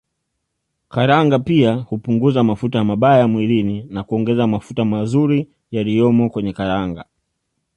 Karanga pia hupunguza mafuta mabaya mwilini na kuongeza mafuta mazuri yaliyomo kwenye karanga